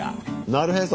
なるへそ。